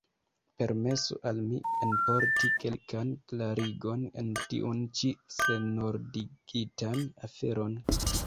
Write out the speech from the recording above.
Permesu al mi enporti kelkan klarigon en tiun ĉi senordigitan aferon.